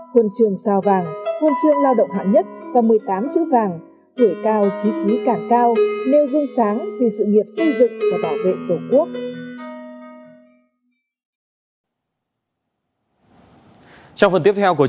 huân trường sao vàng huân chương lao động hạng nhất và một mươi tám chữ vàng tuổi cao trí khí càng cao nêu gương sáng vì sự nghiệp xây dựng và bảo vệ tổ quốc